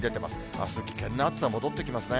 あす危険な暑さ、戻ってきますね。